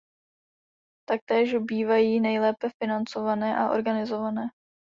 Taktéž bývají nejlépe financované a organizované.